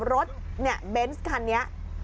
รถเนี่ยเบนส์คันนี้